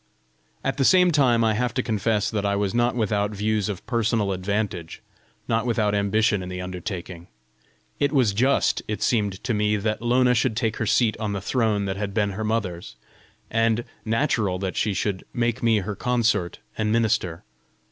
At the same time, I have to confess that I was not without views of personal advantage, not without ambition in the undertaking. It was just, it seemed to me, that Lona should take her seat on the throne that had been her mother's, and natural that she should make of me her consort and minister.